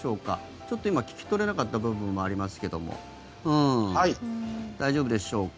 ちょっと今聞き取れなかった部分もありますけども大丈夫でしょうか。